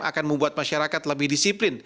akan membuat masyarakat lebih disiplin